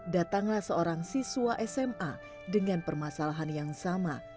datanglah seorang siswa sma dengan permasalahan yang sama